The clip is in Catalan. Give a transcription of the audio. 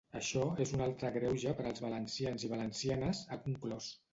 Això és un altre greuge per als valencians i valencianes, ha conclòs.